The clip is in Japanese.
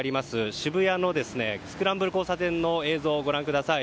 渋谷のスクランブル交差点の映像をご覧ください。